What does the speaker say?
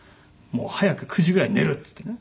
もう早く９時ぐらいに「寝る」っつってね。